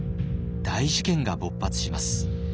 大事件が勃発します。